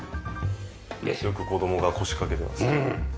よく子供が腰かけてますね。